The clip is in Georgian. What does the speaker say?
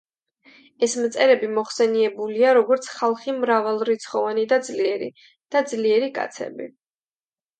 ეს მწერები მოხსენიებულია როგორც „ხალხი, მრავალრიცხოვანი და ძლიერი“ და „ძლიერი კაცები“.